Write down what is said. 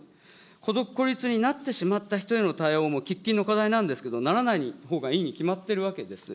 孤独・孤立になってしまった人への対応も喫緊の課題なんですけど、ならないほうがいいに決まっているわけです。